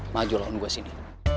majulah on gue sini